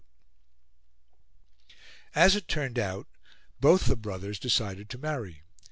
As it turned out, both the brothers decided to marry.